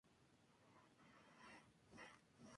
No se sabe bien pero aparenta sentir algo por Ako.